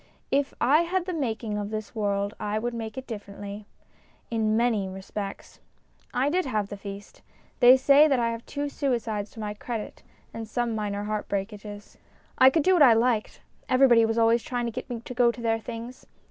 If I had the making of this world I would make it differently in many respects. I did have the feast ; they say that I have two suicides to my credit and some minor heart breakages. I could do what I liked ; everybody was always trying to get me to go to their things.